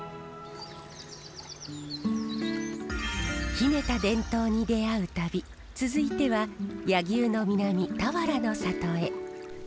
秘めた伝統に出会う旅続いては柳生の南田原の里へ。